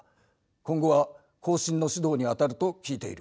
今後は後進の指導にあたると聞いている。